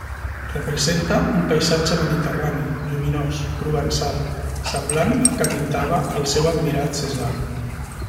Representa un paisatge mediterrani, lluminós, provençal, semblant al que pintava el seu admirat Cézanne.